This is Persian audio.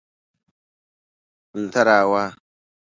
تراوا